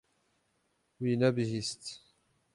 Wî nebihîst.